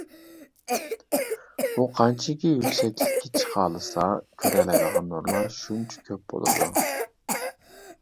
ئۇ قانچىكى يۈكسەكلىككە چىقالىسا، كۆرەلەيدىغان نۇرلار شۇنچە كۆپ بولىدۇ.